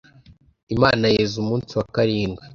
Imana yeza umunsi wa karindwi